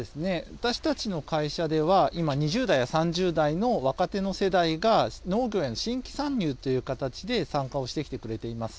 私たちの会社では、今、２０代や３０代の若手の世代が、農業への新規参入という形で参加をしてきてくれています。